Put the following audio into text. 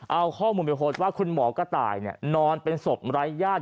เอาข้อมูลไปโพสต์ว่าคุณหมอกระต่ายนอนเป็นศพไร้ญาติ